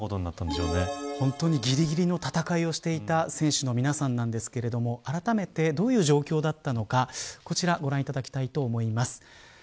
本当にぎりぎりの戦いをしていた、選手の皆さんですがあらためてどういう状況だったのかこちらご覧いただきたいと思います。